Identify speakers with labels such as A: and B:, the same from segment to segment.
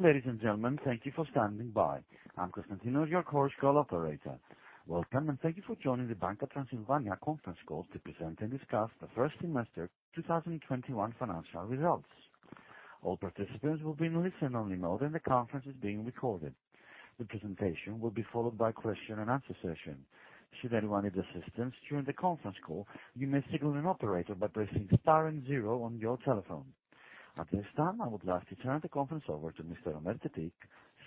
A: Ladies and gentlemen, thank you for standing by. I'm Constantinos, your conference call operator. Welcome, and thank you for joining the Banca Transilvania Conference Call to present and discuss the first semester 2021 financial results. All participants will be in listen-only mode and the conference is being recorded. The presentation will be followed by question and answer session. Should anyone need assistance during the conference call, you may signal an operator by pressing star and zero on your telephone. At this time, I would like to turn the conference over to Mr. Ömer Tetik,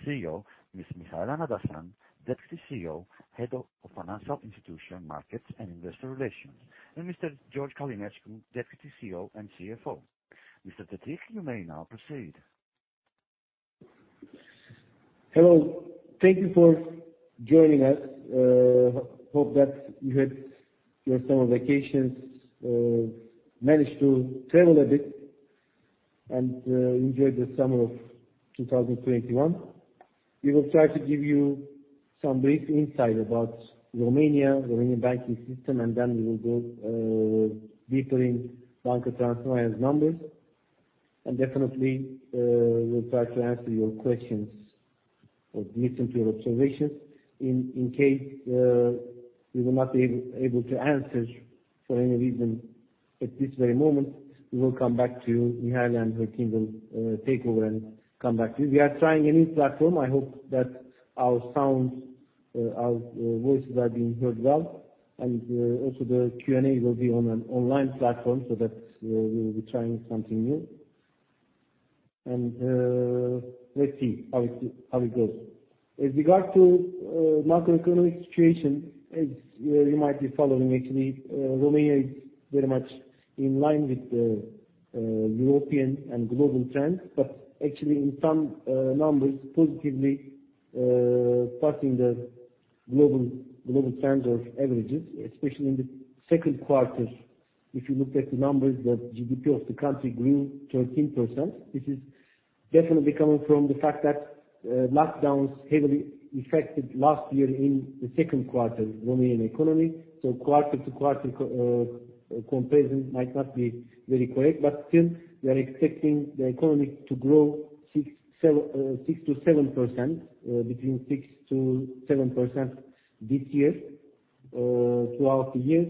A: CEO, Ms. Mihaela Nădășan, Deputy CEO, Head of Financial Institution Markets and Investor Relations, and Mr. George Călinescu, Deputy CEO and CFO. Mr. Tetik, you may now proceed.
B: Hello. Thank you for joining us. Hope that you had your summer vacations, managed to travel a bit and enjoyed the summer of 2021. We will try to give you some brief insight about Romania, Romanian banking system, and then we will go deeper in Banca Transilvania's numbers, and definitely, we'll try to answer your questions or listen to your observations. In case we will not be able to answer for any reason at this very moment, we will come back to you. Mihaela and her team will take over and come back to you. We are trying a new platform. I hope that our voices are being heard well, and also the Q&A will be on an online platform, so that we will be trying something new. Let's see how it goes. As regards to macroeconomic situation, as you might be following actually, Romania is very much in line with the European and global trends, but actually in some numbers positively passing the global trends or averages, especially in the second quarter. If you looked at the numbers, the GDP of the country grew 13%. This is definitely coming from the fact that lockdowns heavily affected last year in the second quarter Romanian economy. Quarter-to-quarter comparison might not be very correct, but still, we are expecting the economy to grow between 6%-7% this year, throughout the year,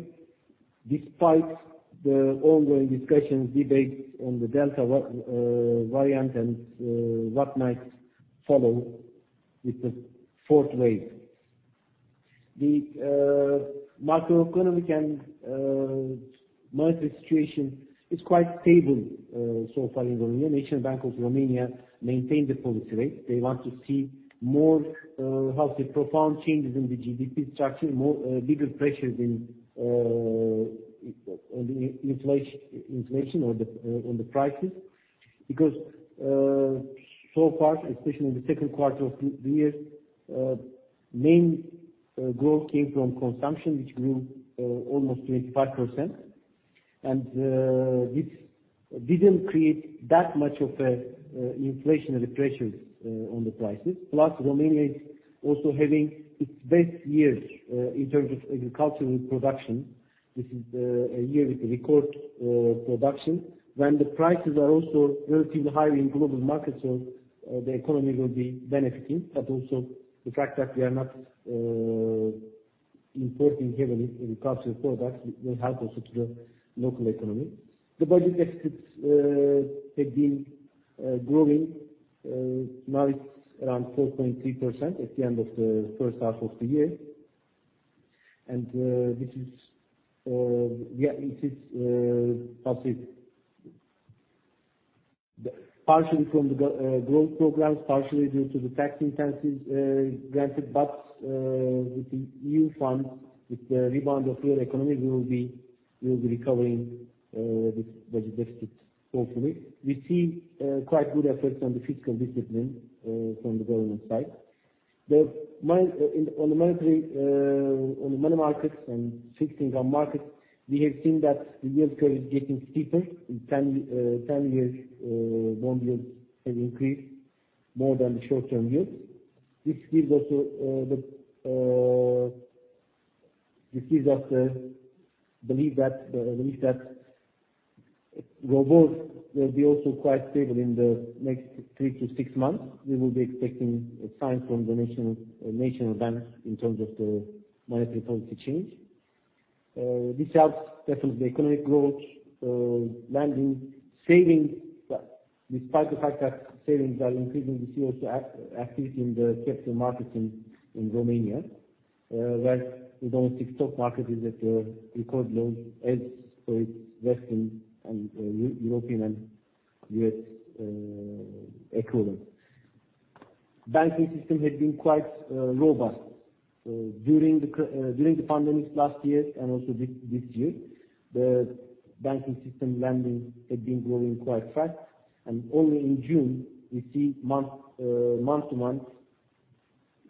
B: despite the ongoing discussions, debates on the Delta variant and what might follow with the fourth wave. The macroeconomic and monetary situation is quite stable so far in Romania. National Bank of Romania maintained the policy rate. They want to see more, how to say, profound changes in the GDP structure, bigger pressures on the inflation on the prices because, so far, especially in the second quarter of the year, main growth came from consumption, which grew almost 25%. This didn't create that much of a inflationary pressures on the prices. Plus, Romania is also having its best years in terms of agricultural production. This is a year with record production. When the prices are also relatively high in global markets, so the economy will be benefiting, but also the fact that we are not importing heavily agricultural products will help also to the local economy. The budget deficits have been growing. Now it's around 4.3% at the end of the first half of the year, and this is passive. Partially from the growth programs, partially due to the tax incentives granted, but with the EU funds, with the rebound of real economy, we will be recovering this budget deficit, hopefully. We see quite good efforts on the fiscal discipline from the government side. On the money markets and fixed income markets, we have seen that the yield curve is getting steeper and 10-year bond yields have increased more than the short-term yields, which gives us the belief that ROBOR will be also quite stable in the next three to six months. We will be expecting a sign from the National Bank of Romania in terms of the monetary policy change. This helps definitely the economic growth, lending, savings. Despite the high tax, savings are increasing. We see also activity in the capital markets in Romania, where the domestic stock market is at a record high as for its Western and European and U.S. equivalent. Banking system has been quite robust. During the pandemic last year and also this year, the banking system lendings have been growing quite fast, and only in June we see month-to-month,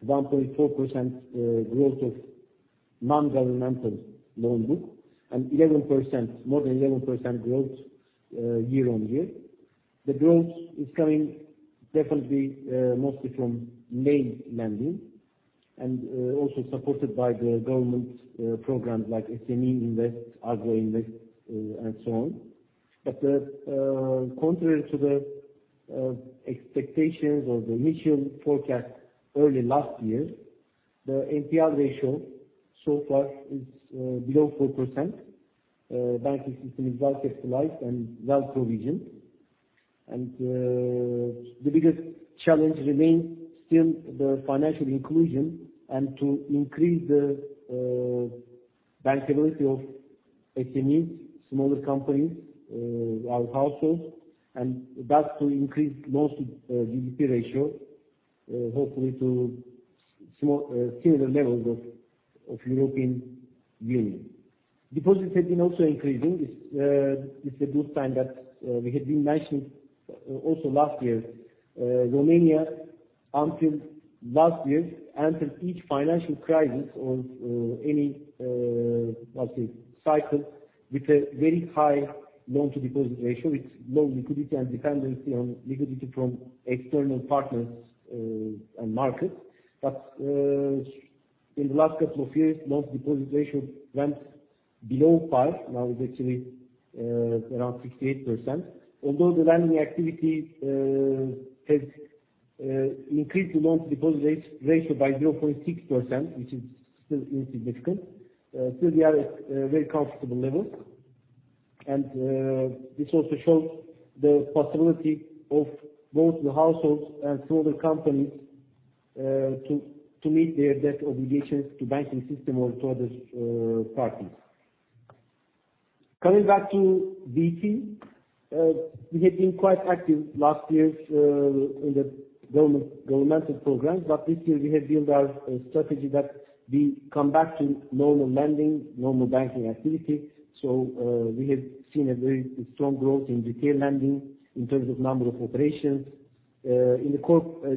B: 1.4% growth of non-governmental loan book and more than 11% growth year-on-year. The growth is coming definitely mostly from main lending. Also supported by the government programs like SME Invest, Agro Invest, and so on. Contrary to the expectations or the initial forecast early last year, the NPL ratio so far is below 4%. Banking system is well capitalized and well-provisioned. The biggest challenge remains still the financial inclusion and to increase the bankability of SMEs, smaller companies, our households, and that will increase most GDP ratio, hopefully to similar levels of European Union. Deposits have been also increasing. It's a good sign that we had been mentioned also last year. Romania, until last year, entered each financial crisis or any cycling with a very high loan-to-deposit ratio with low liquidity and dependency on liquidity from external partners and markets. In the last couple of years, loan-to-deposit ratio went below par. Now is actually around 68%. Although the lending activity has increased the loan-to-deposit ratio by 0.6%, which is still insignificant, still we are at very comfortable levels. This also shows the possibility of both the households and smaller companies to meet their debt obligations to banking system or to other parties. Coming back to BT, we had been quite active last year in the governmental programs. This year, we have built our strategy that we come back to normal lending, normal banking activity. We have seen a very strong growth in retail lending in terms of number of operations. In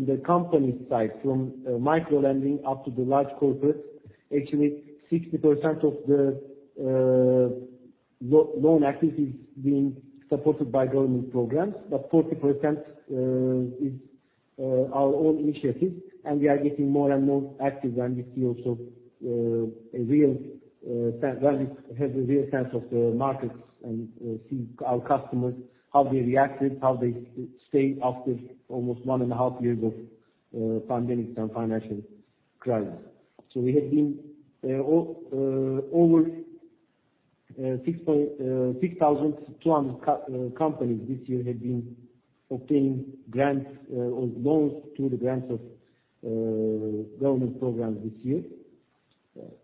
B: the company side, from micro-lending up to the large corporates, actually 60% of the loan activity is being supported by government programs. 40% is our own initiative, and we are getting more and more active when we have a real sense of the markets and see our customers, how they reacted, how they stay after almost one and a half years of pandemic and financial crisis. We have been over 6,200 companies this year have been obtained grants or loans through the grants of government program this year.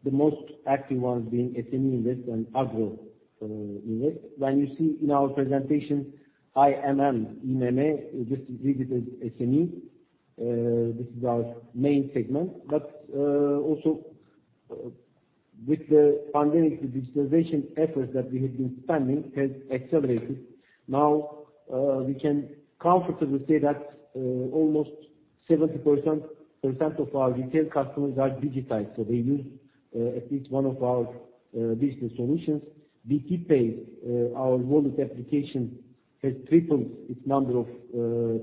B: The most active ones being SME Invest and Agro Invest. When you see in our presentation IMM, just read it as SME. This is our main segment. Also with the pandemic, the digitalization efforts that we have been spending has accelerated. Now, we can comfortably say that almost 70% of our retail customers are digitized. They use at least one of our business solutions. BT Pay, our wallet application, has tripled its number of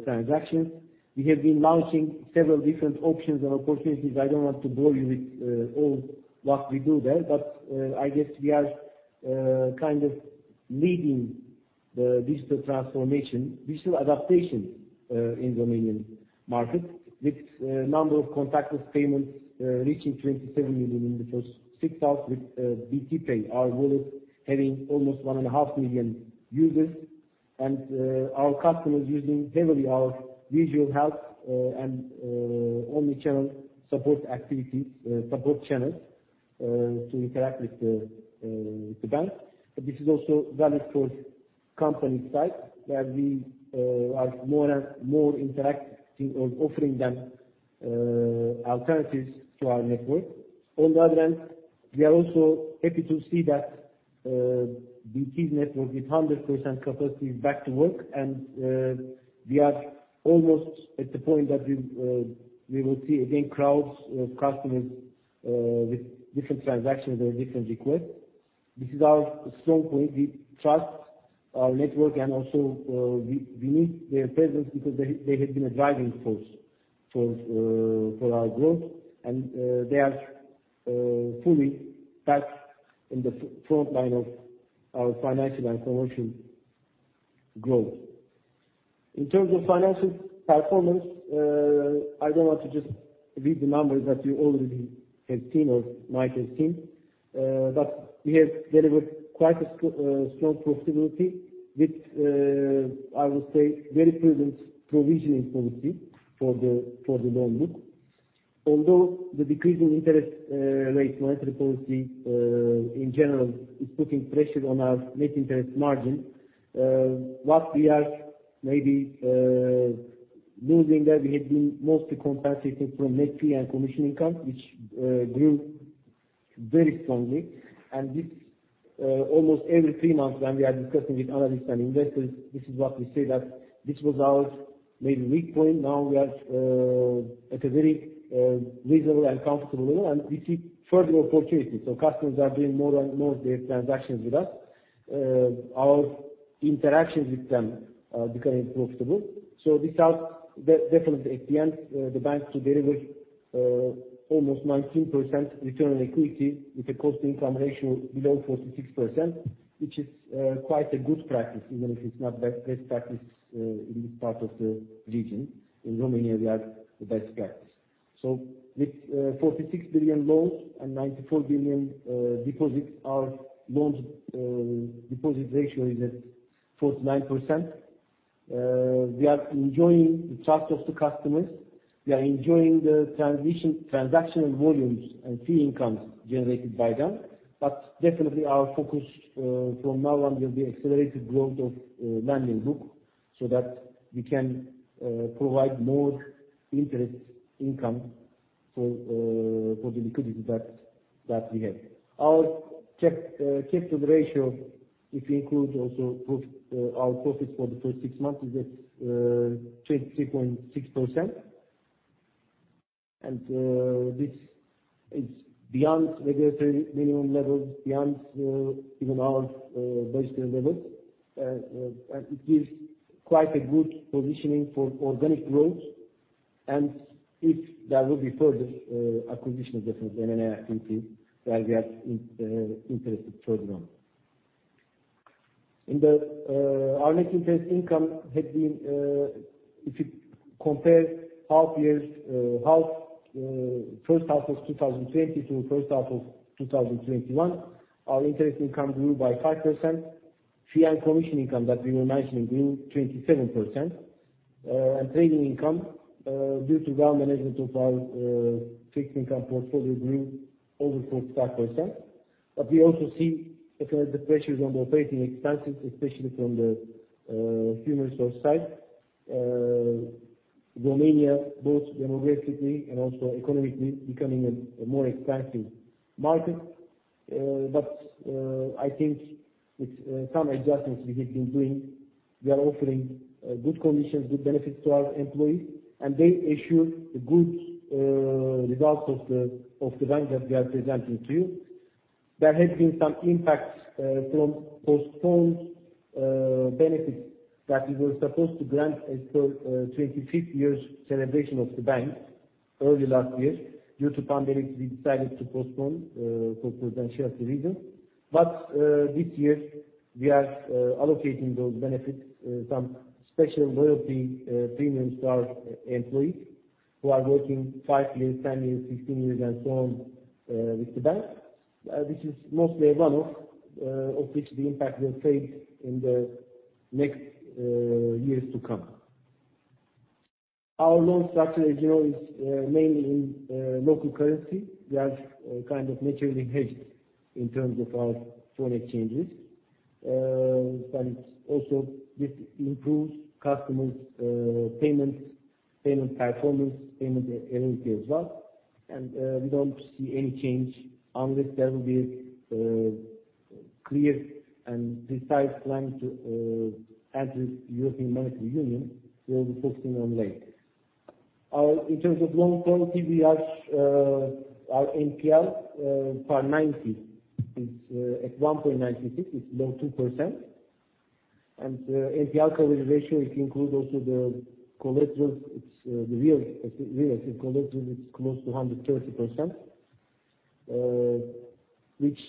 B: transactions. We have been launching several different options and opportunities. I don't want to bore you with all what we do there, I guess we are kind of leading the digital transformation, digital adaptation in Romanian market with number of contactless payments reaching 27 million in the first six months with BT Pay, our wallet having almost 1.5 million users. Our customers using heavily our digital help and omnichannel support channels to interact with the bank. This is also valid for company side, where we are more interacting or offering them alternatives to our network. On the other hand, we are also happy to see that BT's network with 100% capacity is back to work, and we are almost at the point that we will see again crowds of customers with different transactions or different requests. This is our strong point. We trust our network, and also we need their presence because they had been a driving force for our growth. They are fully back in the front line of our financial and commercial growth. In terms of financial performance, I don't want to just read the numbers that you already have seen or might have seen. We have delivered quite a strong profitability with, I would say, very prudent provisioning policy for the loan book. Although the decrease in interest rates, monetary policy in general is putting pressure on our net interest margin. What we are maybe losing there, we have been mostly compensated from net fee and commission income, which grew very strongly. This almost every three months when we are discussing with analysts and investors, this is what we say that this was our maybe weak point. Now we are at a very reasonable and comfortable level, and we see further opportunities. Customers are doing more and more their transactions with us. Our interactions with them are becoming profitable. This helps definitely at the end, the bank to deliver almost 19% return on equity with a cost-income ratio below 46%, which is quite a good practice, even if it's not best practice in this part of the region. In Romania, we are the best practice. With RON 46 billion loans and RON 94 billion deposits, our loan-to-deposit ratio is at 49%. We are enjoying the trust of the customers. We are enjoying the transactional volumes and fee incomes generated by them. Definitely our focus from now on will be accelerated growth of lending book so that we can provide more interest income for the liquidity that we have. Our capital ratio, if we include also our profits for the first six months, is at 23.6%. This is beyond regulatory minimum levels, beyond even our budgetary levels. It gives quite a good positioning for organic growth. If there will be further acquisition, definitely M&A activity that we are interested further on. Our net interest income had been, if you compare first half of 2020 to first half of 2021, our interest income grew by 5%. Fee and commission income that we were mentioning grew 27%. Trading income, due to well management of our fixed income portfolio grew over 45%. We also see the pressures on the operating expenses, especially from the human resource side. Romania, both demographically and also economically becoming a more expensive market. I think with some adjustments we have been doing, we are offering good conditions, good benefits to our employees. They ensure the good results of the bank that we are presenting to you. There has been some impact from postponed benefits that we were supposed to grant as per 25th years celebration of the bank early last year. Due to pandemic, we decided to postpone for potential reasons. This year we are allocating those benefits, some special loyalty premiums to our employees who are working five years, 10 years, 15 years, and so on with the bank. This is mostly a one-off, of which the impact will fade in the next years to come. Our loan structure, as you know, is mainly in local currency. We are kind of naturally hedged in terms of our foreign exchanges. Also this improves customers' payment performance, payment ability as well. We don't see any change unless there will be a clear and precise plan to enter European Monetary Union. We will be focusing on lei. In terms of loan quality, our NPL over 90 days is at 1.96%. It's below 2%. NPL coverage ratio, if you include also the real estate collateral, it's close to 130%, which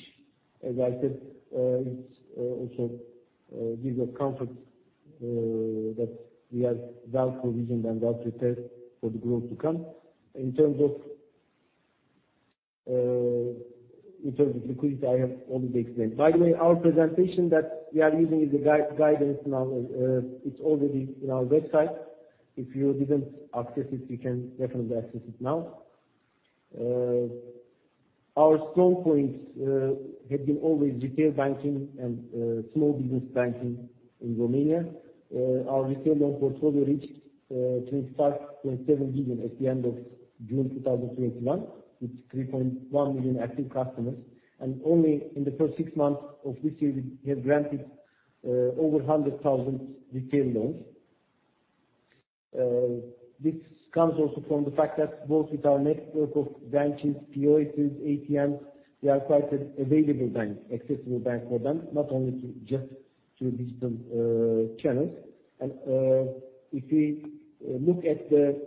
B: as I said, it also gives a comfort that we are well provisioned and well prepared for the growth to come. In terms of liquidity, I have already explained. By the way, our presentation that we are using as a guidance now, it's already in our website. If you didn't access it, you can definitely access it now. Our strong points have been always retail banking and small business banking in Romania. Our retail loan portfolio reached RON 25.7 billion at the end of June 2021, with 3.1 million active customers. Only in the first six months of this year, we have granted over 100,000 retail loans. This comes also from the fact that both with our network of branches, POS, ATMs, we are quite an available bank, accessible bank for them, not only just through digital channels. If we look at the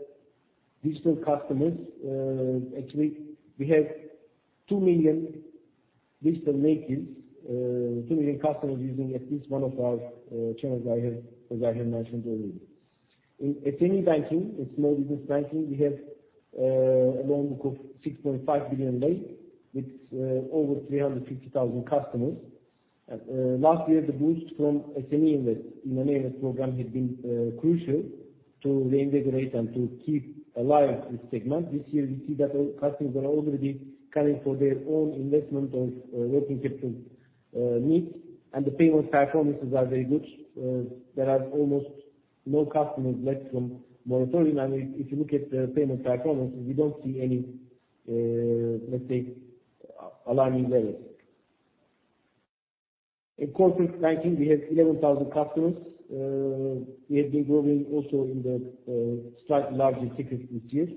B: digital customers, actually we have 2 million digital natives, 2 million customers using at least one of our channels, as I have mentioned already. In SME banking, in small business banking, we have a loan book of RON 6.5 billion with over 350,000 customers. Last year, the boost from SME Invest in the nearest program has been crucial to reinvigorate and to keep alive this segment. This year we see that our customers are already coming for their own investment of working capital needs, and the payment performances are very good. There are almost no customers left from moratorium. If you look at the payment performances, we don't see any, let's say, alarming levels. In corporate banking, we have 11,000 customers. We have been growing also in the slightly larger tickets this year,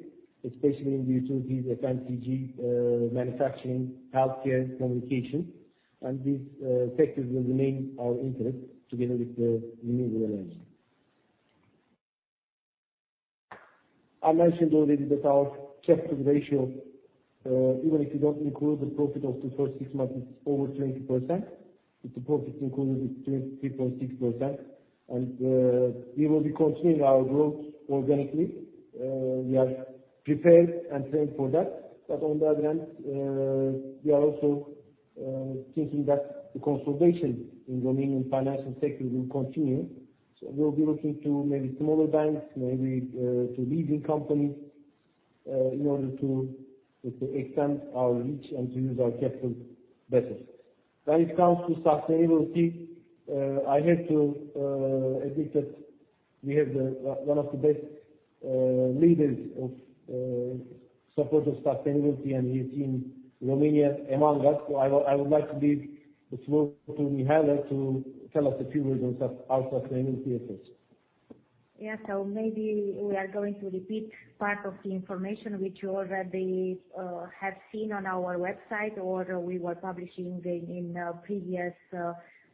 B: especially in the utilities, FMCG, manufacturing, healthcare, communication. These sectors will remain our interest together with the renewable energy. I mentioned already that our capital ratio, even if you don't include the profit of the first six months, is over 20%, with the profit included, it's 23.6%. We will be continuing our growth organically. We are prepared and trained for that, but on the other hand, we are also thinking that the consolidation in Romanian financial sector will continue. We'll be looking to maybe smaller banks, maybe to leasing companies, in order to, let's say, extend our reach and to use our capital better. When it comes to sustainability, I have to admit that we have one of the best leaders of support of sustainability. He's in Romania among us. I would like to give the floor to Mihaela to tell us a few words on our sustainability efforts.
C: Yeah, maybe we are going to repeat part of the information which you already have seen on our website or we were publishing in previous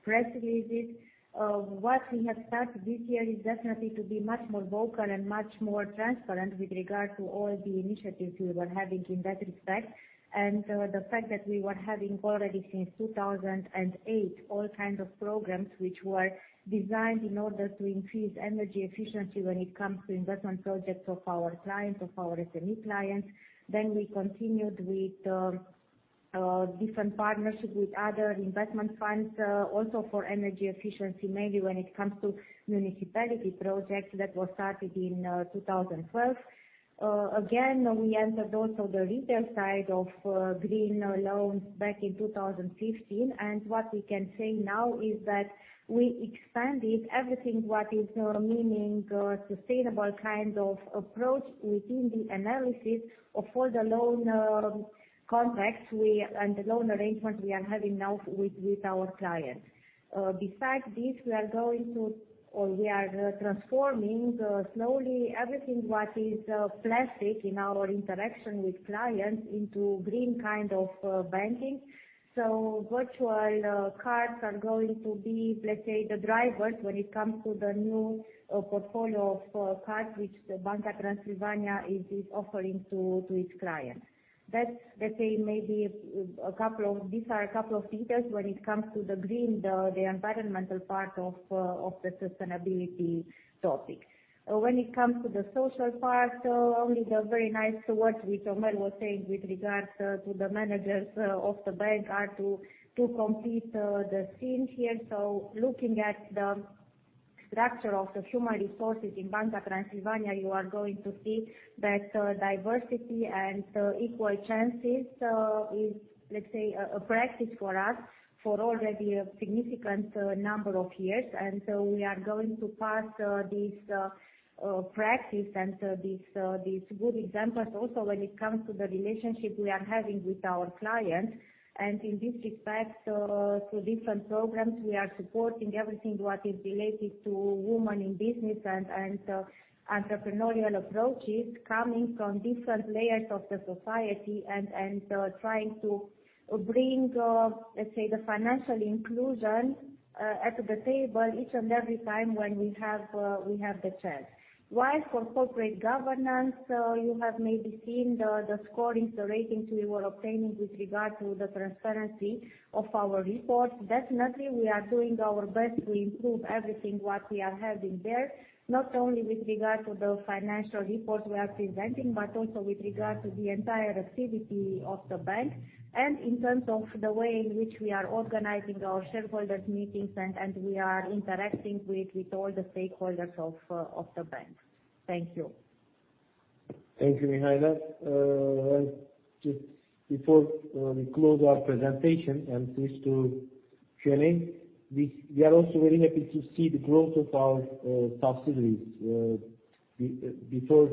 C: press releases. What we have started this year is definitely to be much more vocal and much more transparent with regard to all the initiatives we were having in that respect. The fact that we were having already since 2008, all kinds of programs which were designed in order to increase energy efficiency when it comes to investment projects of our clients, of our SME clients. We continued with different partnerships with other investment funds, also for energy efficiency, mainly when it comes to municipality projects that were started in 2012. We entered also the retail side of green loans back in 2015, and what we can say now is that we expanded everything what is meaning sustainable kind of approach within the analysis of all the loan contracts and the loan arrangements we are having now with our clients. Besides this, we are transforming slowly everything what is plastic in our interaction with clients into green kind of banking. Virtual cards are going to be, let's say, the drivers when it comes to the new portfolio for cards, which Banca Transilvania is offering to its clients. These are a couple of features when it comes to the green, the environmental part of the sustainability topic. When it comes to the social part, only the very nice words which Ömer was saying with regards to the managers of the bank are to complete the scene here. Looking at the structure of the human resources in Banca Transilvania, you are going to see that diversity and equal chances is, let's say, a practice for us for already a significant number of years. We are going to pass this practice and these good examples also when it comes to the relationship we are having with our clients. In this respect, to different programs, we are supporting everything what is related to women in business and entrepreneurial approaches coming from different layers of the society. Trying to bring, let's say, the financial inclusion at the table each and every time when we have the chance. While for corporate governance, you have maybe seen the scoring, the ratings we were obtaining with regard to the transparency of our reports. Definitely, we are doing our best to improve everything what we are having there, not only with regard to the financial reports we are presenting, but also with regard to the entire activity of the bank and in terms of the way in which we are organizing our shareholders meetings and we are interacting with all the stakeholders of the bank. Thank you.
B: Thank you, Mihaela. Just before we close our presentation and switch to Q&A, we are also very happy to see the growth of our subsidiaries. Before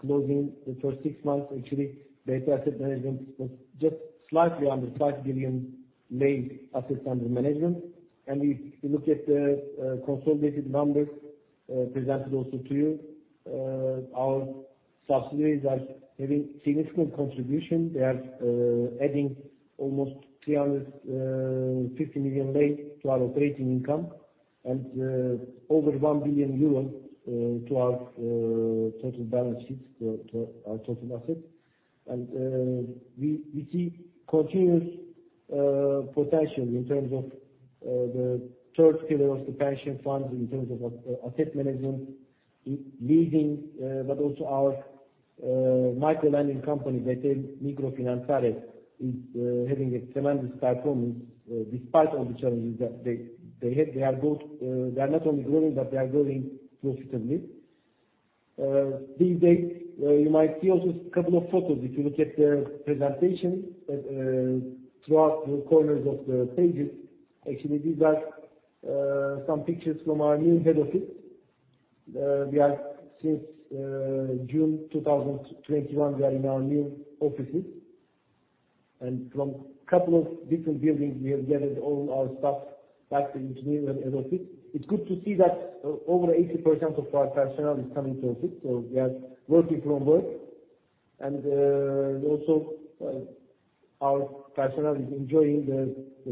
B: closing the first six months actually, BT Asset Management was just slightly under RON 5 billion assets under management. If you look at the consolidated numbers presented also to you, our subsidiaries are having significant contribution. They are adding almost RON 350 million to our operating income and over 1 billion euros to our total balance sheets, to our total assets. We see continuous potential in terms of the third pillar of the pension funds, in terms of asset management, leasing, but also our micro-lending company, let's say BT Microfinanțare, is having a tremendous performance despite all the challenges that they had. They are not only growing, but they are growing profitably. These days, you might see also a couple of photos if you look at the presentation throughout the corners of the pages. Actually, these are some pictures from our new head office. Since June 2021, we are in our new offices and from couple of different buildings, we have gathered all our staff back into new head office. It's good to see that over 80% of our personnel is coming to office, so we are working from work and also our personnel is enjoying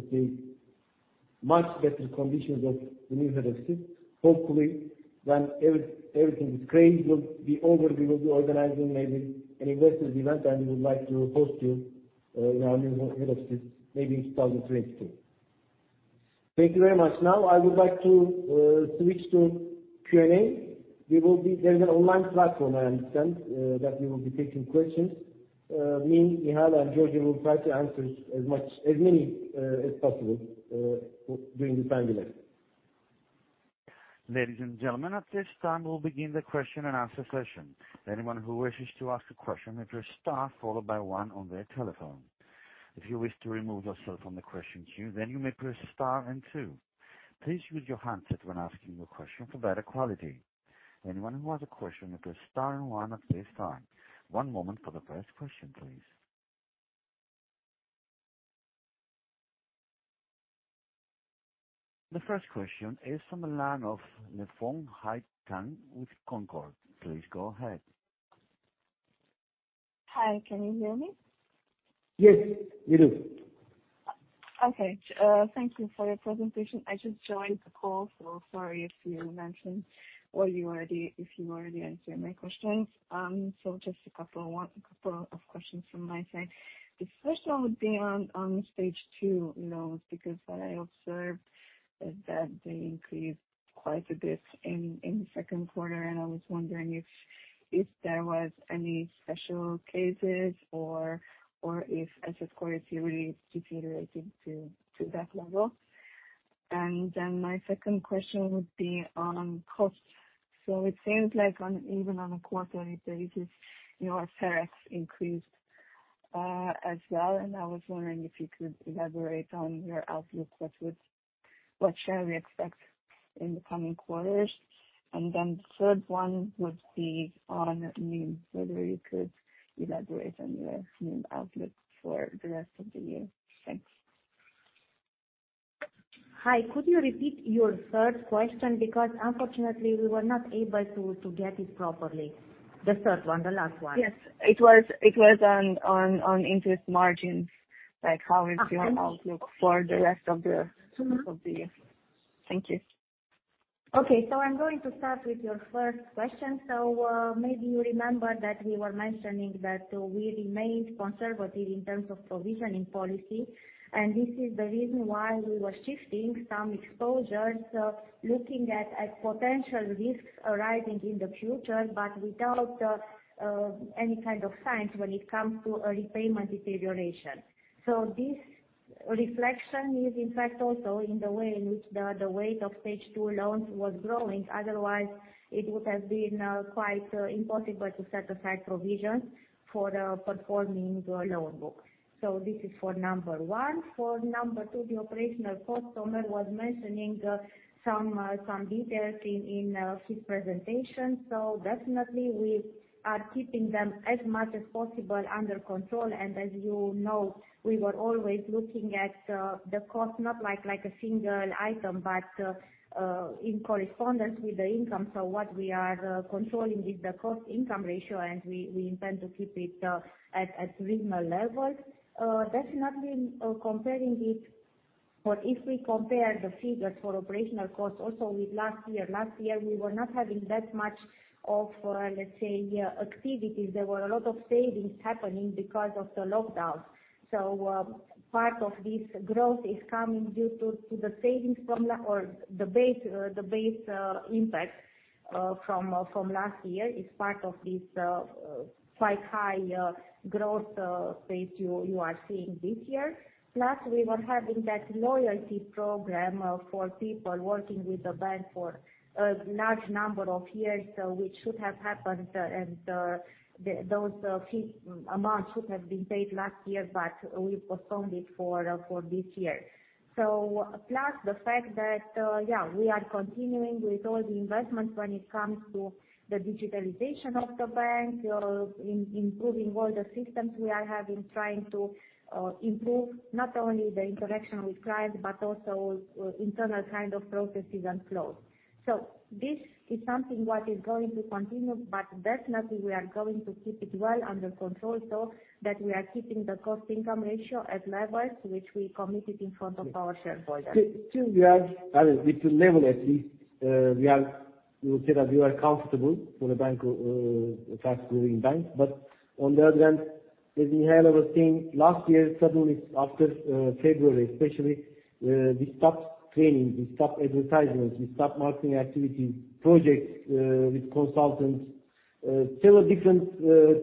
B: the much better conditions of the new head office. Hopefully, when everything with corona will be over, we will be organizing maybe an investors event and we would like to host you in our new head office maybe in 2023. Thank you very much. I would like to switch to Q&A. There is an online platform, I understand, that we will be taking questions. Me, Mihaela, and Georgiana will try to answer as many as possible during this earnings event.
A: Ladies and gentlemen, at this time we'll begin the question and answer session. Anyone who wishes to ask a question may press star followed by one on their telephone. If you wish to remove yourself from the question queue, then you may press star and two. Please use your handset when asking your question for better quality. Anyone who has a question may press star and one at this time. One moment for the first question, please. The first question is from the line of Hai-Anh Tran with Concorde. Please go ahead.
D: Hi, can you hear me?
B: Yes, we do.
D: Okay. Thank you for your presentation. I just joined the call, so sorry if you already answered my questions. Just a couple of questions from my side. The first one would be on stage two loans, because I observed that they increased quite a bit in the second quarter, and I was wondering if there was any special cases or if as a quarter you really deteriorated to that level. My second question would be on costs. It seems like even on a quarterly basis, your costs increased as well, and I was wondering if you could elaborate on your outlook. What shall we expect in the coming quarters? The third one would be on NIM. Whether you could elaborate on your NIM outlook for the rest of the year. Thanks.
C: Hi, could you repeat your third question? Because unfortunately we were not able to get it properly. The third one, the last one.
D: Yes. It was on interest margins, like how is your.
C: Okay
D: outlook for the rest of the year. Thank you.
C: Okay, I'm going to start with your first question. Maybe you remember that we were mentioning that we remained conservative in terms of provisioning policy, and this is the reason why we were shifting some exposures, looking at potential risks arising in the future, but without any kind of signs when it comes to a repayment deterioration. This reflection is, in fact, also in the way in which the weight of stage two loans was growing. Otherwise, it would have been quite impossible to set aside provisions for performing loan books. This is for number one. For number two, the operational costs, Ömer was mentioning some details in his presentation. Definitely we are keeping them as much as possible under control. As you know, we were always looking at the cost, not like a single item, but in correspondence with the income. What we are controlling is the cost-income ratio, and we intend to keep it at reasonable levels. Definitely, if we compare the figures for operational costs also with last year, last year, we were not having that much of, let's say, activities. There were a lot of savings happening because of the lockdown. Part of this growth is coming due to the base impact from last year. It's part of this quite high growth space you are seeing this year. We were having that loyalty program for people working with the bank for a large number of years, which should have happened, and those amounts should have been paid last year, but we postponed it for this year. Plus the fact that, yeah, we are continuing with all the investments when it comes to the digitalization of the bank, improving all the systems we are having, trying to improve not only the interaction with clients, but also internal kind of processes and flows. This is something what is going to continue, but definitely we are going to keep it well under control, so that we are keeping the cost-income ratio at levels which we committed in front of our shareholders.
B: Still we are, with the level at least, we would say that we are comfortable for a fast-growing bank. On the other hand, as Mihaela was saying, last year, suddenly after February especially, we stopped training, we stopped advertisements, we stopped marketing activities, projects with consultants. Several different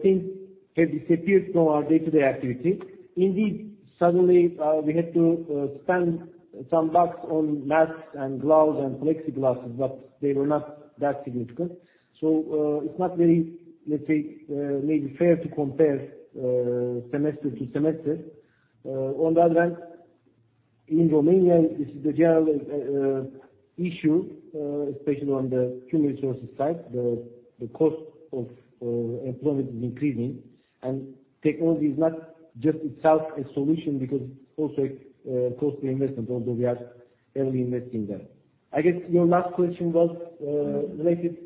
B: things have disappeared from our day-to-day activity. Indeed, suddenly we had to spend some bucks on masks and gloves and plexiglass, but they were not that significant. It's not very, let's say, maybe fair to compare semester to semester. On the other hand, in Romania, this is the general issue, especially on the human resources side. The cost of employment is increasing and technology is not just itself a solution because it's also a costly investment, although we are heavily investing there. I guess your last question was related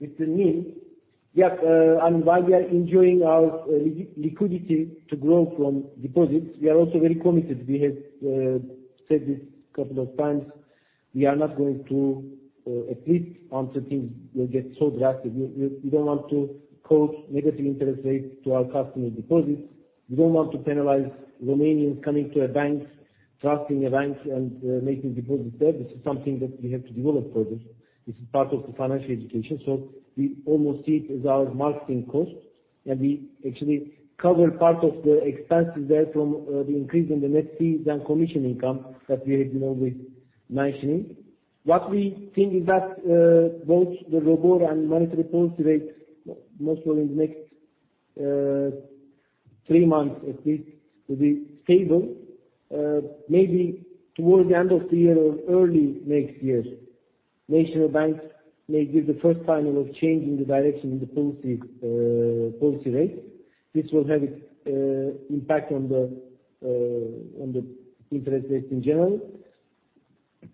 B: with the NIM. Yes, while we are enjoying our liquidity to grow from deposits, we are also very committed. We have said this a couple of times. We are not going to exit until things will get so drastic. We do not want to quote negative interest rates to our customer deposits. We do not want to penalize Romanians coming to a bank, trusting a bank, and making deposits there. This is something that we have to develop further. This is part of the financial education. We almost see it as our marketing cost, and we actually cover part of the expenses there from the increase in the net fees and commission income that we have been always mentioning. What we think is that both the ROBOR and monetary policy rates, most probably in the next three months at least, will be stable. Maybe towards the end of the year or early next year, national banks may give the first sign of changing the direction in the policy rates. This will have its impact on the interest rates in general. It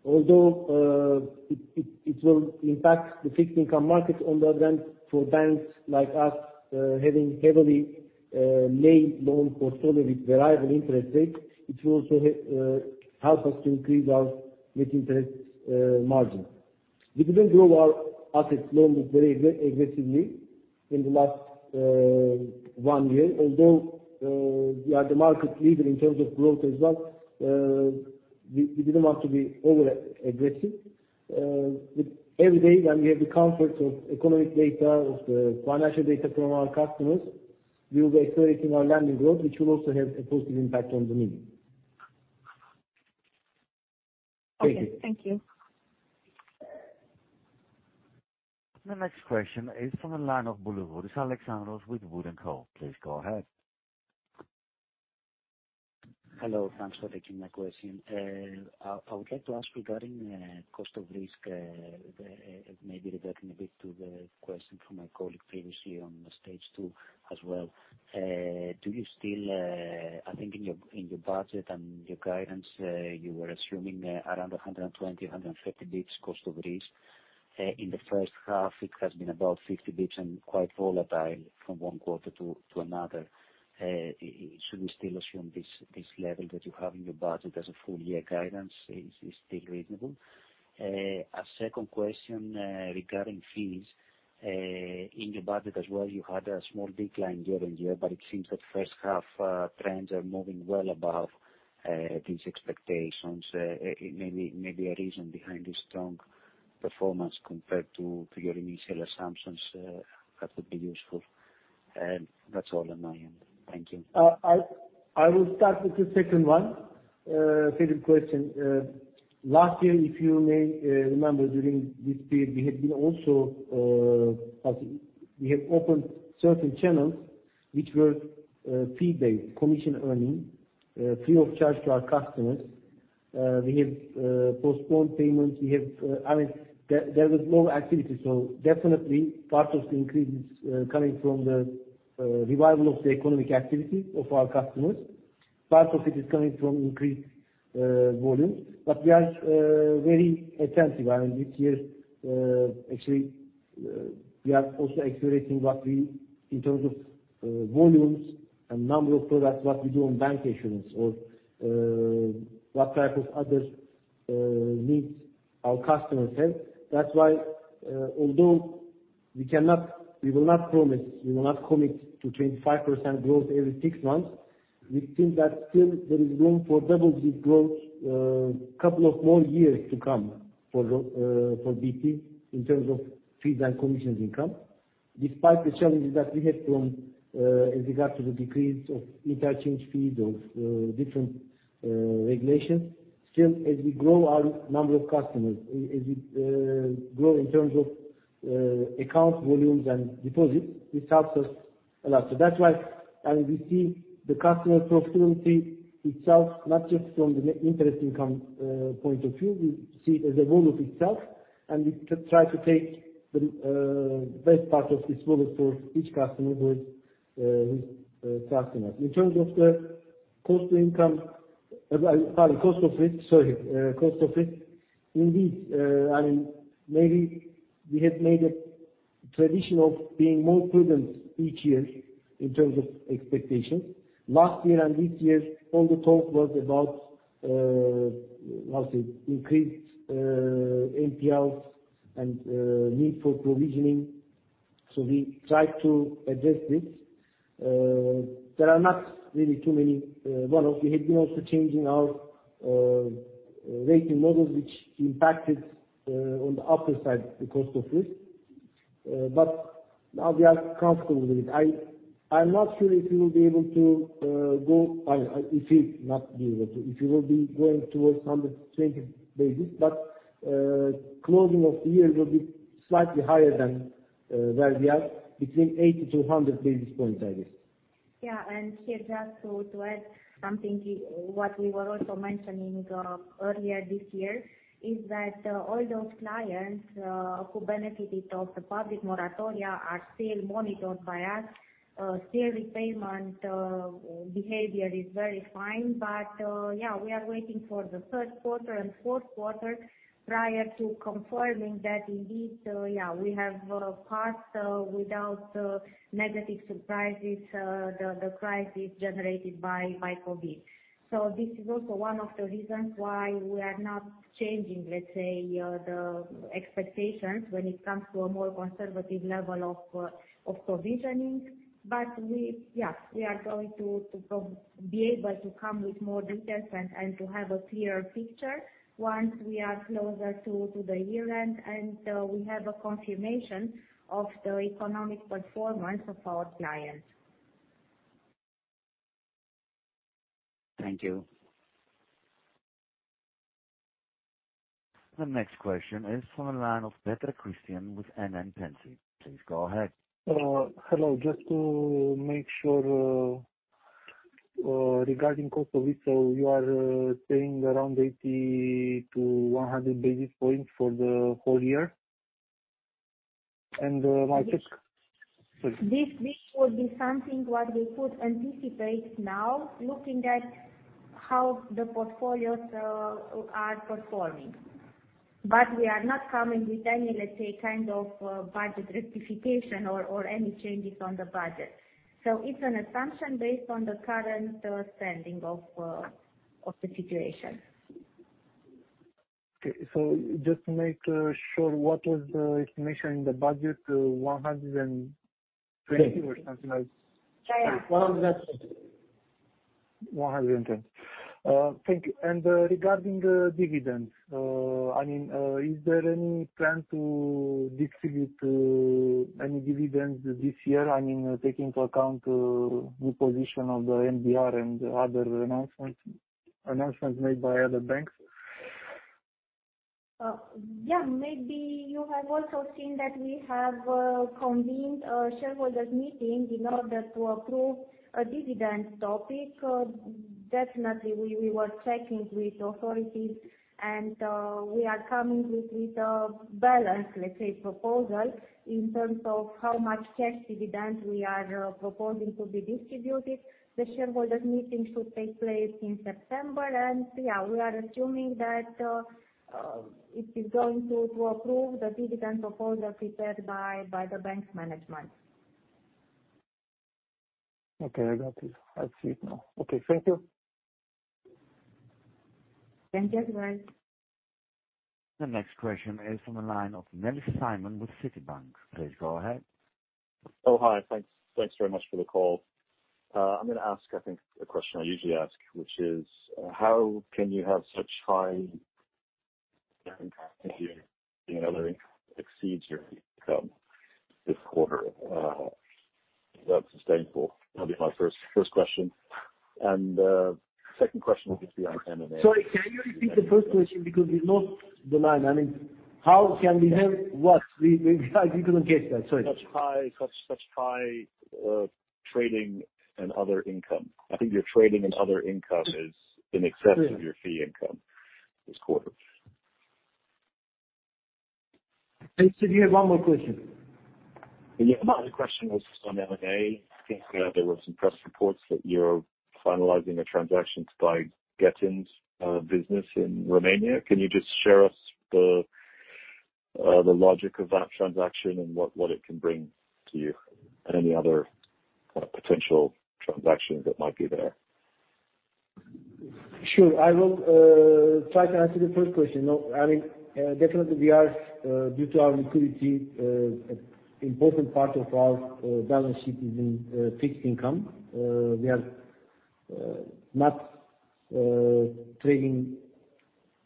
B: will impact the fixed income markets on the other end, for banks like us having heavily lei loan portfolio with variable interest rates, it will also help us to increase our net interest margin. We didn't grow our assets, loans very aggressively in the last one year. We are the market leader in terms of growth as well, we didn't want to be over aggressive. Every day when we have the comfort of economic data, of the financial data from our customers, we will be accelerating our lending growth, which will also have a positive impact on the medium.
D: Okay. Thank you.
A: The next question is from the line of Blue Wood. It is Alexandros with Wood & Co Please go ahead.
E: Hello. Thanks for taking my question. I would like to ask regarding cost of risk, maybe reverting a bit to the question from my colleague previously on stage two as well. I think in your budget and your guidance, you were assuming around 120-130 bps cost of risk. In the first half it has been about 50 bps and quite volatile from one quarter to another. Should we still assume this level that you have in your budget as a full year guidance? Is it still reasonable? A second question regarding fees. In your budget as well, you had a small decline year-on-year, it seems that first half trends are moving well above these expectations. Maybe a reason behind this strong performance compared to your initial assumptions. That would be useful. That's all on my end. Thank you.
B: I will start with the second one. Second question. Last year, if you may remember, during this period, we have opened certain channels which were fee-based commission earning, free of charge to our customers. We have postponed payments. There was no activity. Definitely part of the increase is coming from the revival of the economic activity of our customers. Part of it is coming from increased volumes. We are very attentive. This year, actually, we are also accelerating in terms of volumes and number of products, what we do on bank issuance or what type of other needs our customers have. That's why, although we will not promise, we will not commit to 25% growth every six months. We think that still there is room for double-digit growth couple of more years to come for BT in terms of fees and commissions income, despite the challenges that we have from as regards to the decrease of interchange fees of different regulations. Still, as we grow our number of customers, as we grow in terms of account volumes and deposits, this helps us a lot. That's why we see the customer profitability itself, not just from the interest income point of view. We see it as a role of itself, and we try to take the best part of this role for each customer, who is trusting us. In terms of the cost of risk. Indeed. Maybe we have made a tradition of being more prudent each year in terms of expectations. Last year, this year, all the talk was about increased NPLs and need for provisioning. We try to address this. There are not really too many one-off. We had been also changing our rating model, which impacted on the upper side the cost of risk. Now we are comfortable with it. I'm not sure if we will be going towards 120 basis but closing of the year will be slightly higher than where we are between 80-100 basis points, I guess.
C: Yeah. Here just to add something, what we were also mentioning earlier this year is that all those clients who benefited of the public moratoria are still monitored by us. Still repayment behavior is very fine. Yeah, we are waiting for the third quarter and fourth quarter prior to confirming that indeed, we have passed without negative surprises the crisis generated by COVID. This is also one of the reasons why we are not changing, let's say, the expectations when it comes to a more conservative level of provisioning. We are going to be able to come with more details and to have a clear picture once we are closer to the year-end, and we have a confirmation of the economic performance of our clients.
E: Thank you.
A: The next question is from the line of Cristian Popa with NN Pensii. Please go ahead.
F: Hello. Just to make sure, regarding cost of retail, you are saying around 80-100 basis points for the whole year?
C: This week would be something what we could anticipate now, looking at how the portfolios are performing. We are not coming with any, let's say, kind of budget rectification or any changes on the budget. It's an assumption based on the current standing of the situation.
F: Okay. Just to make sure, what was the estimation in the budget? 120 or something like?
C: Yeah.
B: 110.
F: 110. Thank you. Regarding dividends, is there any plan to distribute any dividends this year, taking into account the position of the NBR and other announcements made by other banks?
C: Yeah. Maybe you have also seen that we have convened a shareholders meeting in order to approve a dividend topic. Definitely, we were checking with authorities. We are coming with a balanced, let's say, proposal in terms of how much cash dividend we are proposing to be distributed. The shareholders meeting should take place in September. Yeah, we are assuming that it is going to approve the dividend proposal prepared by the bank's management.
F: Okay, I got it. I see it now. Okay, thank you.
C: Thank you as well.
A: The next question is from the line of Simon Nellis with Citi. Please go ahead.
G: Oh, hi. Thanks very much for the call. I'm going to ask, I think, the question I usually ask, which is, how can you have such high other income this quarter? Is that sustainable? That would be my first question. Second question would just be on M&A.
B: Sorry, can you repeat the first question? Because we lost the line. How can we have what? I didn't get that. Sorry.
G: Such high trading and other income. I think your trading and other income is in excess of your fee income this quarter.
B: Nellis, you have one more question.
G: Yeah. My other question was just on M&A. I think there were some press reports that you're finalizing a transaction to buy Getin's business in Romania. Can you just share with us the logic of that transaction and what it can bring to you? Any other potential transactions that might be there?
B: Sure. I will try to answer the first question. Definitely, due to our liquidity, an important part of our balance sheet is in fixed income. We are not trading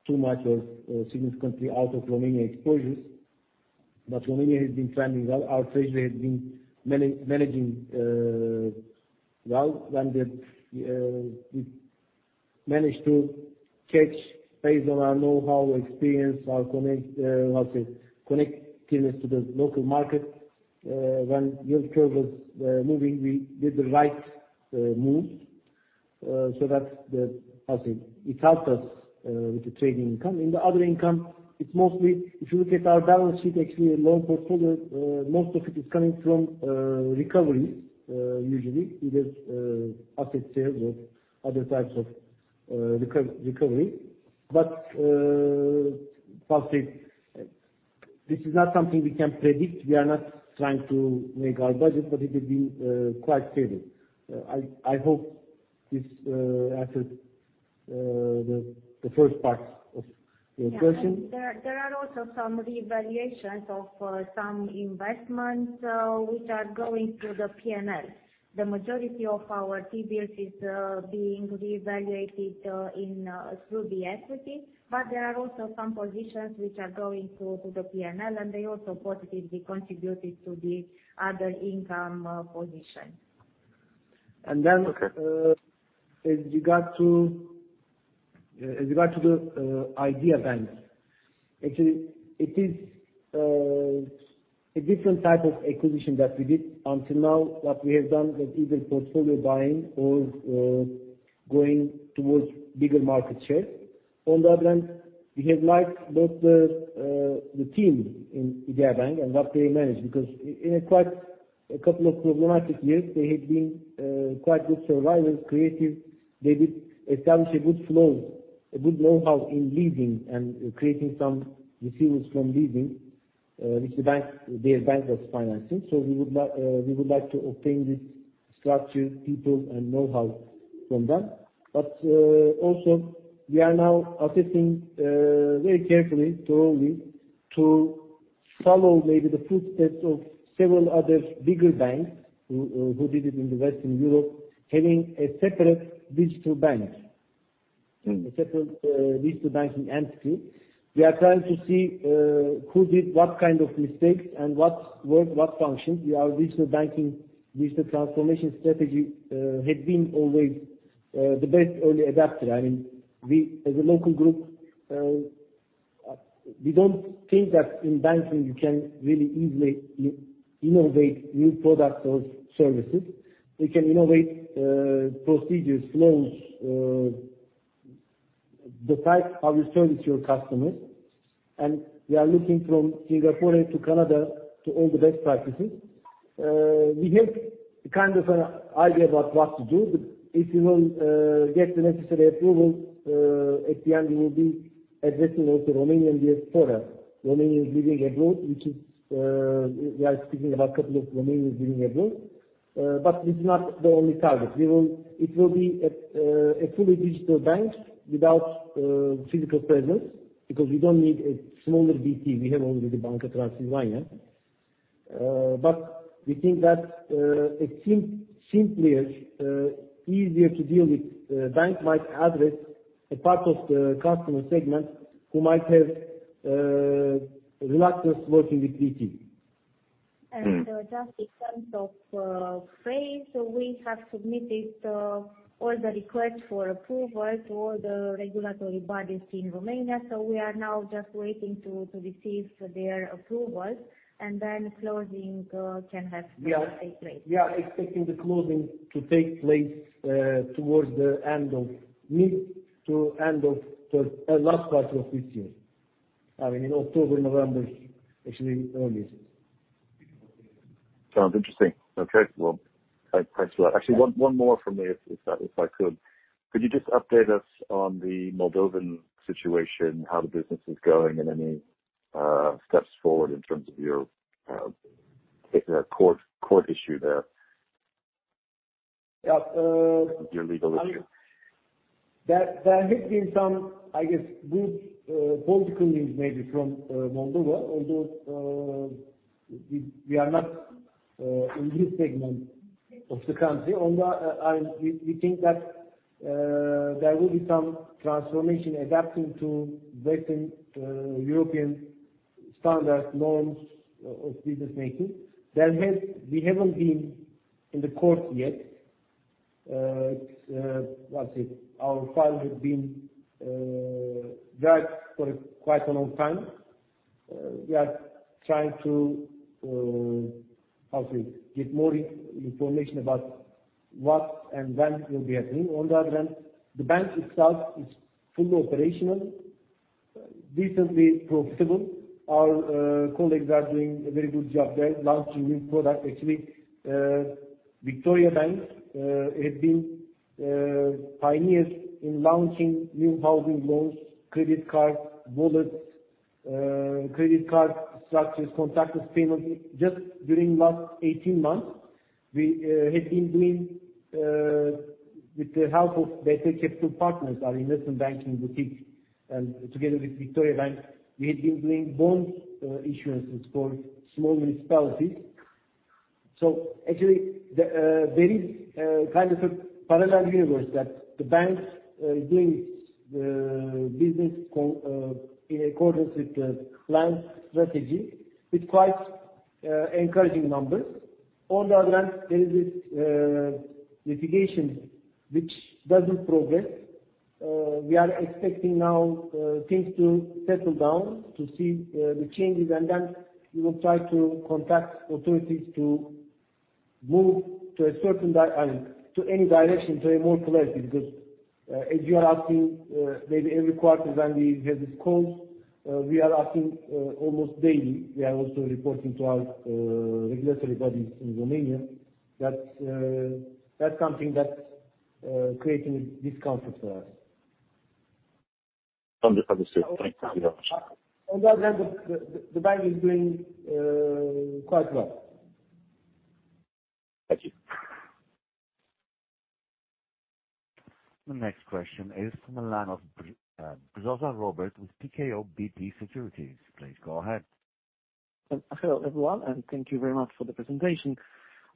B: too much or significantly out of Romania exposures. Romania has been trending well. Our treasury has been managing well. We managed to catch, based on our know-how, experience, our connectiveness to the local market. When yield curve was moving, we did the right moves. That it helped us with the trading income. In the other income, if you look at our balance sheet, actually our loan portfolio, most of it is coming from recoveries usually, either asset sales or other types of recovery. This is not something we can predict. We are not trying to make our budget, but it has been quite stable. I hope this answers the first part of your question.
C: Yeah. There are also some revaluations of some investments which are going to the P&L. The majority of our T-bills is being reevaluated through the equity. There are also some positions which are going to the P&L, and they also positively contributed to the other income positions.
B: And then—
G: Okay.
B: —as regard to Idea Bank. Actually, it is a different type of acquisition that we did. Until now, what we have done is either portfolio buying or going towards bigger market share. On the other hand, we have liked both the team in Idea Bank and what they manage, because in a couple of problematic years, they had been quite good survivors, creative. They did establish a good flow, a good know-how in leasing and creating some receipts from leasing. Which their bank was financing. We would like to obtain this structure, people, and know-how from them. Also we are now assessing very carefully, thoroughly, to follow maybe the footsteps of several other bigger banks who did it in Western Europe, having a separate digital bank. A separate digital banking entity. We are trying to see who did what kind of mistakes and what worked, what functioned. Our digital banking, digital transformation strategy had been always the best early adopter. As a local group, we don't think that in banking you can really easily innovate new products or services. We can innovate procedures, loans, the type, how you service your customers. We are looking from Singapore to Canada to all the best practices. We have kind of an idea about what to do. If we will get the necessary approval, at the end we will be addressing also Romanian diaspora, Romanians living abroad. We are speaking about a couple of Romanians living abroad. It's not the only target. It will be a fully digital bank without physical presence because we don't need a smaller BT. We have already Banca Transilvania. We think that a simpler, easier to deal with bank might address a part of the customer segment who might have reluctance working with BT.
C: Just in terms of phase, we have submitted all the requests for approval to all the regulatory bodies in Romania. We are now just waiting to receive their approvals, and then closing can take place.
B: We are expecting the closing to take place towards the mid to end of the last quarter of this year. In October, November, actually early December.
G: Sounds interesting. Okay. Well, thanks for that. Actually, one more from me, if I could. Could you just update us on the Moldovan situation, how the business is going and any steps forward in terms of your court issue there?
B: Yeah.
G: Your legal issue.
B: There have been some, I guess, good political news maybe from Moldova, although, we are not in this segment of the country. On the other, we think that there will be some transformation adapting to Western European standard loans of business making. We haven't been in the court yet. Let's see. Our file has been dragged for quite a long time. We are trying to get more information about what and when will be happening. On the other hand, the bank itself is fully operational, decently profitable. Our colleagues are doing a very good job there launching new product. Actually, Victoriabank has been pioneers in launching new housing loans, credit card wallets, credit card structures, contactless payment. Just during last 18 months, with the help of BT Capital Partners, our investment banking boutique, and together with Victoriabank, we had been doing bond issuances for small municipalities. Actually there is kind of a parallel universe that the bank is doing its business in accordance with the plan strategy with quite encouraging numbers. There is this litigation which doesn't progress. We are expecting now things to settle down, to see the changes, we will try to contact authorities to move to any direction, to a more clarity because, as you are asking maybe every quarter when we have this call, we are asking almost daily. We are also reporting to our regulatory bodies in Romania that's something that's creating a discomfort for us.
G: Understood. Thank you very much.
B: On the other hand, the bank is doing quite well.
G: Thank you.
A: The next question is from the line of Robert Brzoza with PKO BP Securities. Please go ahead.
H: Hello, everyone, thank you very much for the presentation.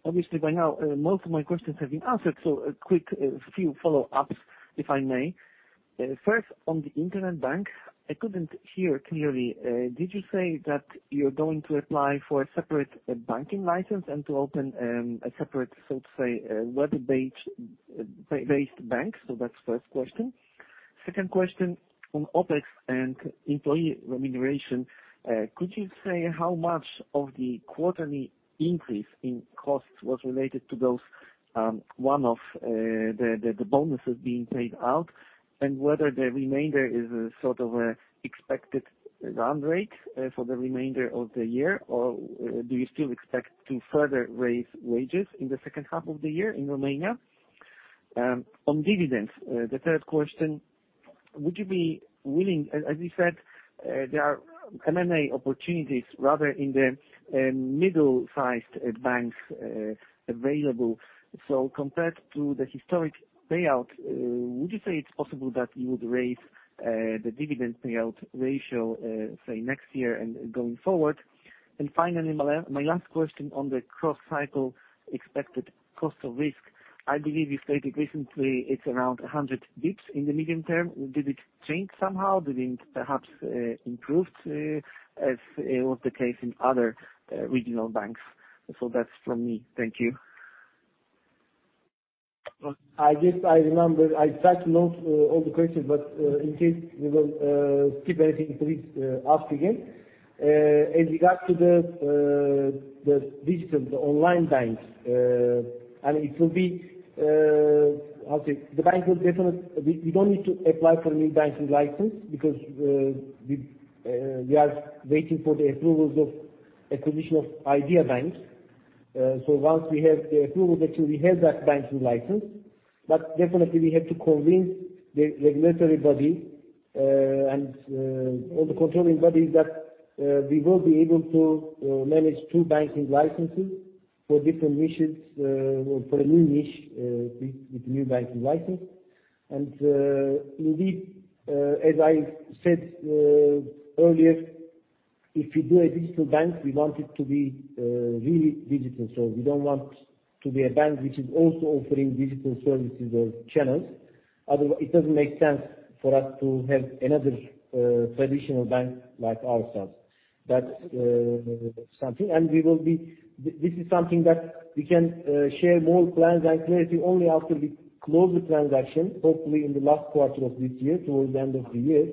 H: Obviously, by now, most of my questions have been answered. A quick few follow-ups, if I may. First, on the internet bank, I couldn't hear clearly. Did you say that you're going to apply for a separate banking license and to open a separate, so to say, web-based bank? That's first question. Second question on OpEx and employee remuneration. Could you say how much of the quarterly increase in costs was related to those, one of the bonuses being paid out, and whether the remainder is a sort of expected run rate for the remainder of the year, or do you still expect to further raise wages in the second half of the year in Romania? On dividends, the third question, would you be willing as you said, there are M&A opportunities rather in the middle-sized banks available. Compared to the historic payout, would you say it's possible that you would raise the dividend payout ratio, say, next year and going forward? Finally, my last question on the cross cycle expected cost of risk. I believe you stated recently it's around 100 basis points in the medium term. Did it change somehow? Did it perhaps improved as it was the case in other regional banks? That's from me. Thank you.
B: I guess I remember I tried to note all the questions, but in case we will skip anything, please ask again. As regards to the digital, the online banks, we don't need to apply for a new banking license because we are waiting for the approvals of acquisition of Idea Bank. Once we have the approval, actually, we have that banking license. Definitely, we have to convince the regulatory body, and all the controlling bodies that we will be able to manage two banking licenses for different niches, or for a new niche with new banking license. Indeed, as I said earlier, if we do a digital bank, we want it to be really digital. We don't want to be a bank which is also offering digital services or channels. Otherwise, it doesn't make sense for us to have another traditional bank like ourselves. That's something. This is something that we can share more plans and clarity only after we close the transaction, hopefully in the last quarter of this year, towards the end of the year,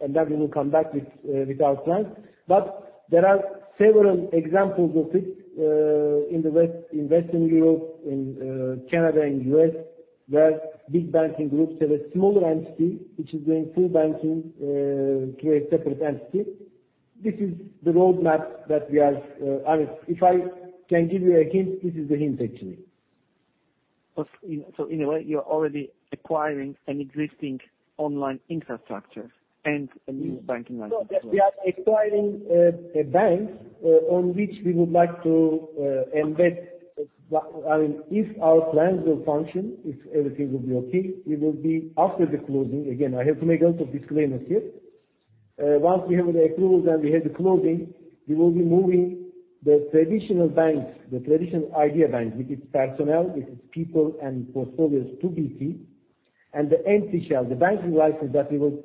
B: we will come back with our plans. There are several examples of it, in Western Europe, in Canada, in U.S., where big banking groups have a smaller entity, which is doing full banking, through a separate entity. This is the roadmap that we have. If I can give you a hint, this is the hint, actually.
H: In a way, you're already acquiring an existing online infrastructure and a new banking license as well.
B: No. We are acquiring a bank, on which we would like to embed. If our plans will function, if everything will be okay, we will be after the closing. Again, I have to make a lot of disclaimers here. Once we have the approval and we have the closing, we will be moving the traditional banks, the traditional Idea Bank with its personnel, with its people and portfolios to BT. The empty shell, the banking license that we will keep that, we will build up on it.
H: All right.
C: Okay.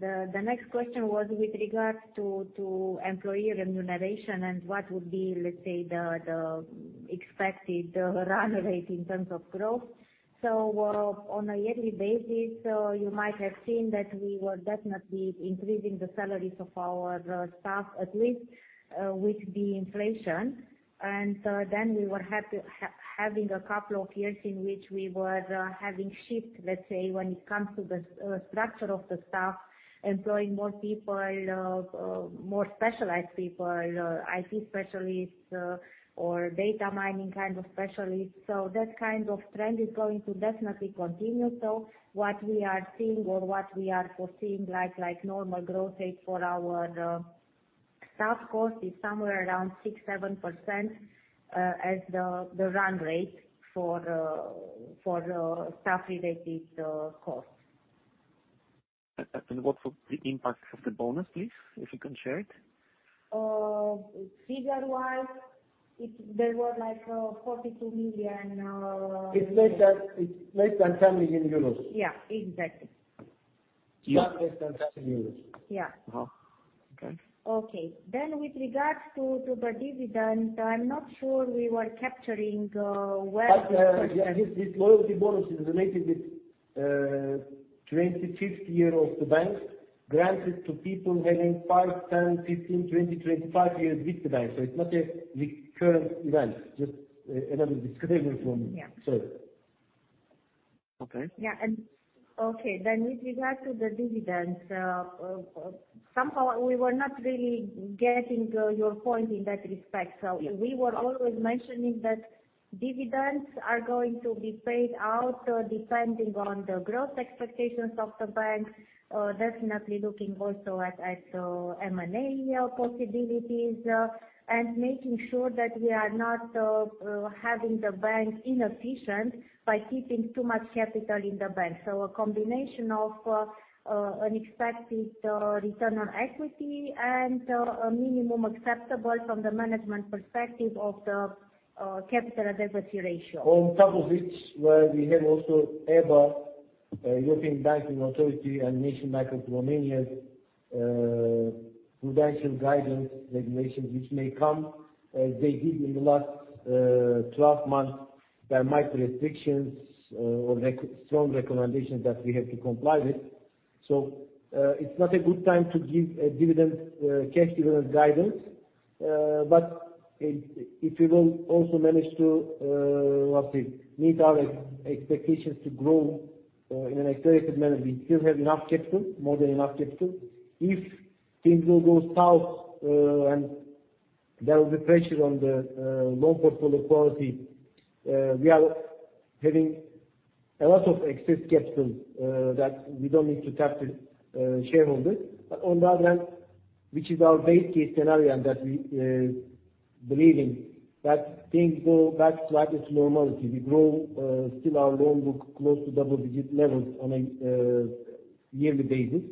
C: The next question was with regards to employee remuneration and what would be, let's say, the expected run rate in terms of growth. On a yearly basis, you might have seen that we were definitely increasing the salaries of our staff, at least with the inflation. We were having a couple of years in which we were having shift, let's say, when it comes to the structure of the staff, employing more people, more specialized people, IT specialists or data mining kind of specialists. That kind of trend is going to definitely continue. What we are seeing or what we are foreseeing like normal growth rate for our staff cost is somewhere around 6%, 7% as the run rate for staff related cost.
H: What would be impact of the bonus, please? If you can share it.
C: Figure wise, there were like RON 42 million.
B: It's less than 10 million euros.
C: Yeah, exactly.
B: Just less than 10 million euros.
C: Yeah.
H: Okay.
C: Okay. With regards to the dividend, I'm not sure we were capturing well the question.
B: This loyalty bonus is related with 25th year of the bank granted to people having five, 10, 15, 20, 25 years with the bank. It's not a recurrent event, just another disclaimer from me.
C: Yeah.
B: Sorry.
H: Okay.
C: Yeah. Okay. With regard to the dividends, somehow we were not really getting your point in that respect. We were always mentioning that dividends are going to be paid out depending on the growth expectations of the bank. Definitely looking also at M&A possibilities, and making sure that we are not having the bank inefficient by keeping too much capital in the bank. A combination of an expected return on equity and a minimum acceptable from the management perspective of the capital adequacy ratio.
B: Where we have also EBA, European Banking Authority, and National Bank of Romania's prudential guidance regulations which may come, they did in the last 12 months. There might be restrictions or strong recommendations that we have to comply with. It's not a good time to give a dividend, cash dividend guidance. If we will also manage to, what's it, meet our expectations to grow in an expected manner, we still have enough capital, more than enough capital. If things will go south, and there will be pressure on the loan portfolio quality, we are having a lot of excess capital that we don't need to tap the shareholders. Which is our base case scenario and that we believe in, that things go back slightly to normality. We grow still our loan book close to double-digit levels on a yearly basis.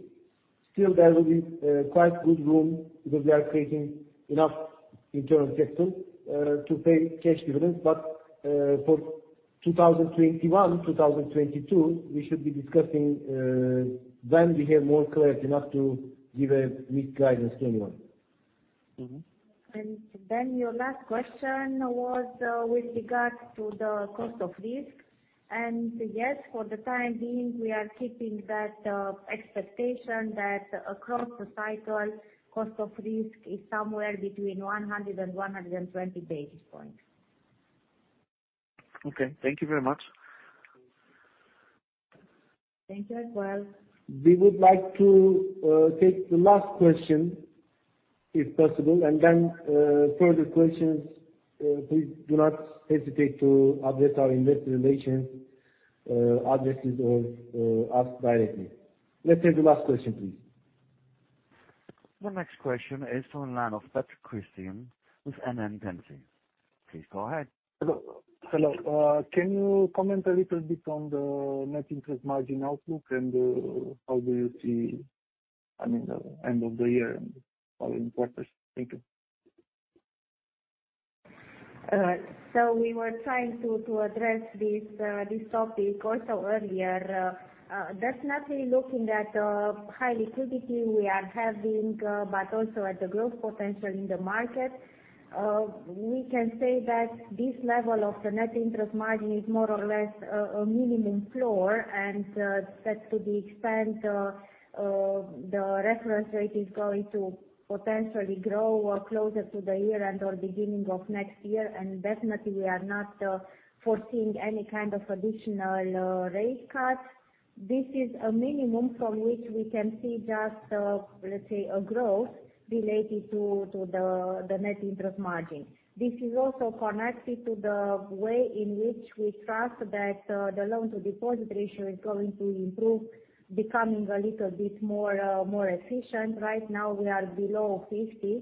B: There will be quite good room because we are creating enough internal capital to pay cash dividends. For 2021, 2022, we should be discussing when we have more clarity enough to give a weak guidance to anyone.
C: Your last question was with regard to the cost of risk. Yes, for the time being, we are keeping that expectation that across the cycle, cost of risk is somewhere between 100 and 120 basis points.
H: Okay. Thank you very much.
C: Thank you as well.
B: We would like to take the last question, if possible. Further questions, please do not hesitate to address our investor relations addresses or us directly. Let's take the last question, please.
A: The next question is on line of Patrick Christian with NN IP. Please go ahead.
I: Hello. Can you comment a little bit on the net interest margin outlook and how do you see the end of the year and following quarters? Thank you.
C: We were trying to address this topic also earlier. Definitely looking at high liquidity we are having, but also at the growth potential in the market. We can say that this level of the net interest margin is more or less a minimum floor, and that to the extent the reference rate is going to potentially grow closer to the year-end or beginning of next year. Definitely we are not foreseeing any kind of additional rate cut. This is a minimum from which we can see just, let's say, a growth related to the net interest margin. This is also connected to the way in which we trust that the loan-to-deposit ratio is going to improve, becoming a little bit more efficient. Right now, we are below 50%,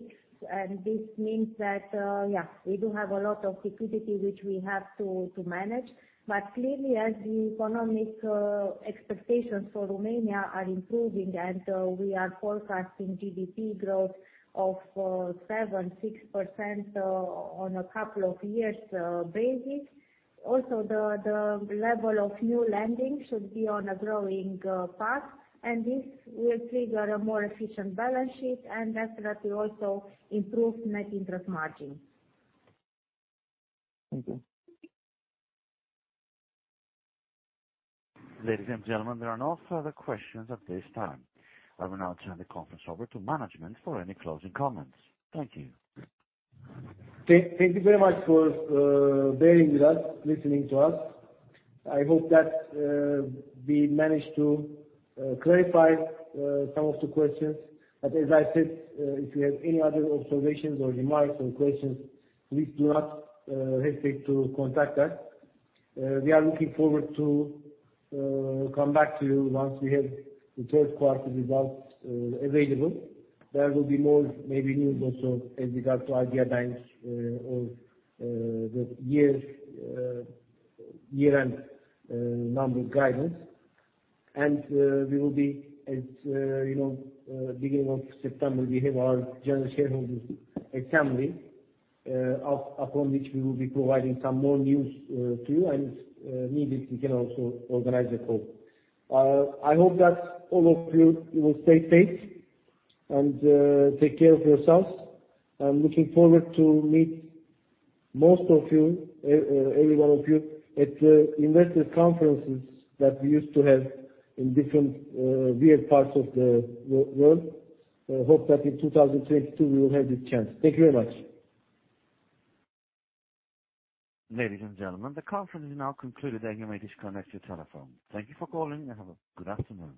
C: and this means that, yeah, we do have a lot of liquidity, which we have to manage. Clearly, as the economic expectations for Romania are improving and we are forecasting GDP growth of 7%, 6% on a couple of years basis. The level of new lending should be on a growing path, and this will trigger a more efficient balance sheet and definitely also improve net interest margin.
I: Thank you.
A: Ladies and gentlemen, there are no further questions at this time. I will now turn the conference over to management for any closing comments. Thank you.
B: Thank you very much for bearing with us, listening to us. I hope that we managed to clarify some of the questions. As I said, if you have any other observations, or remarks, or questions, please do not hesitate to contact us. We are looking forward to come back to you once we have the third quarter results available. There will be more maybe news also with regards to Idea Bank or the year-end number guidance. We will be, as you know, beginning of September, we have our general shareholders' assembly, upon which we will be providing some more news to you. If needed, we can also organize a call. I hope that all of you will stay safe and take care of yourselves. I'm looking forward to meet most of you, every one of you, at Investor Conferences that we used to have in different weird parts of the world. I hope that in 2022, we will have this chance. Thank you very much.
A: Ladies and gentlemen, the conference is now concluded, and you may disconnect your telephone. Thank you for calling and have a good afternoon.